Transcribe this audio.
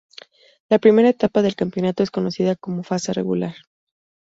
La primera etapa del campeonato es conocida como fase regular.